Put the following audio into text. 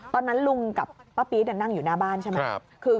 ตอนนั้นลุงกับป้าปี๊ดนั่งอยู่หน้าบ้านใช่ไหม